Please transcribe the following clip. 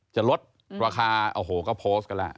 จะลดราคาโอ้โหก็โพสต์กันแล้ว